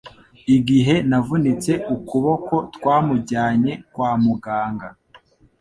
igihe navunitse ukuboko twamujyanye kwamuganga